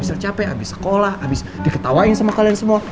michelle capek abis sekolah abis diketawain sama kalian semua